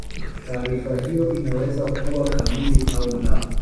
Taarifa hiyo inaweza kuwa kamili au la.